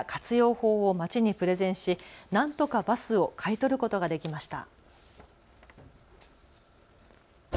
法を町にプレゼンし、なんとかバスを買い取ることができました。